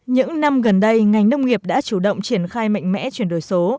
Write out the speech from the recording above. những năm gần đây ngành nông nghiệp đã chủ động triển khai mạnh mẽ chuyển đổi số